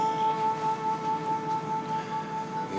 tapi pak wo